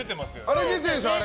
あれ出てるんでしょ？